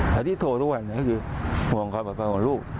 แล้วที่โทรทุกวันก็คือห่วงความปลอดภัยของลูก